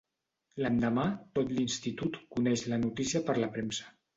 L'endemà tot l'institut coneix la notícia per la premsa.